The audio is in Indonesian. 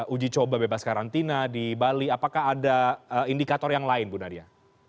uji coba bebas karantina di bali apakah ada indikator yang lain bu nadia